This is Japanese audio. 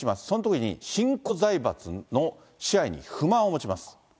そのときに新興財閥の支配に不満を持ちます。